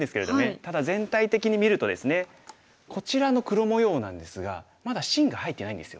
ただ全体的に見るとですねこちらの黒模様なんですがまだ芯が入ってないんですよ。